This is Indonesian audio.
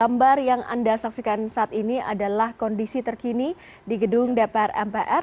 gambar yang anda saksikan saat ini adalah kondisi terkini di gedung dpr mpr